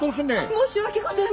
申し訳ございません。